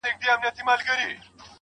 نور درته نه وايم نفس راپسې وبه ژاړې,